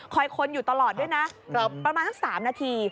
คนอยู่ตลอดด้วยนะประมาณสัก๓นาที